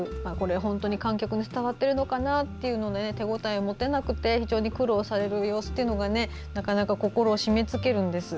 本当に観客に伝わってるのかなと手応えを持てなくて非常に苦労される様子がなかなか心を締めつけるんです。